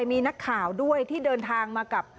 มีนักข่าวด้วยที่เดินทางมากับ